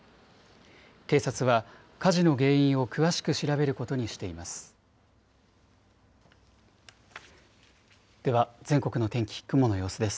警察は火事の原因を詳しく調べることにしています。